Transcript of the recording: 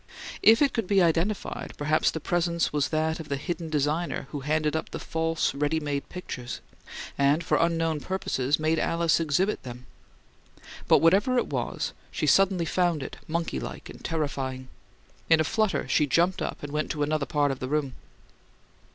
If it could be identified, perhaps the presence was that of the hidden designer who handed up the false, ready made pictures, and, for unknown purposes, made Alice exhibit them; but whatever it was, she suddenly found it monkey like and terrifying. In a flutter she jumped up and went to another part of the room.